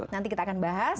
nanti kita akan bahas